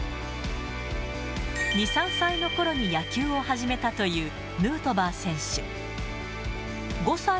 ２、３歳のころに野球を始めたというヌートバー選手。